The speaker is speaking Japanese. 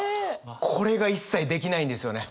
これが一切できないんですよね。